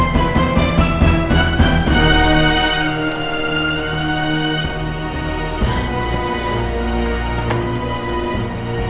nanti kalau ada uang lebih